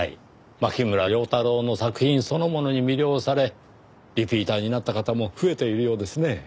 牧村遼太郎の作品そのものに魅了されリピーターになった方も増えているようですねぇ。